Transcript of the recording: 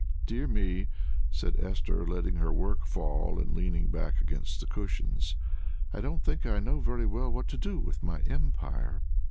"Dear me," said Esther, letting her work fall, and leaning back against the cushions; "I don't think I know very well what to do with my empire."